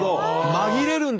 紛れるんだ。